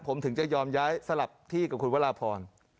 ผมถึงจะยอมย้ายสลับที่กับคุณวราพร